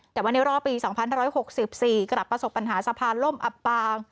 แต่วันที่รอปีสองพันร้อยหกสิบสี่กลับประสบปัญหาสภาล่มอับปาง